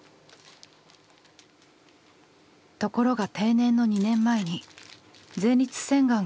ところが定年の２年前に前立腺がんが発覚。